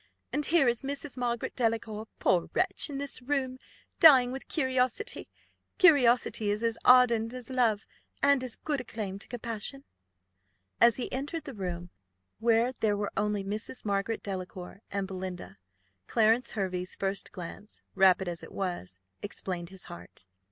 And here is Mrs. Margaret Delacour, poor wretch, in this room, dying with curiosity. Curiosity is as ardent as love, and has as good a claim to compassion." As he entered the room, where there were only Mrs. Margaret Delacour and Belinda, Clarence Hervey's first glance, rapid as it was, explained his heart.